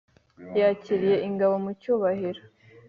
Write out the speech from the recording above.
yakiriye ingabo mu cyubahiro.